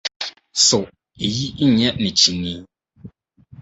So eyi nyɛ ne kyinii?